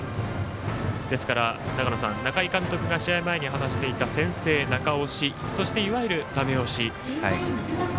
ですから、中井監督が試合前に話していた先制、中押しいわゆる、ダメ押し。